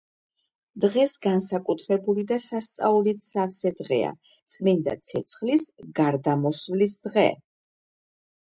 დღეს განსაკუთრებული და სასწაულით სავსე დღეა, წმინდა ცეცხლის გარდამოსვლის დღე.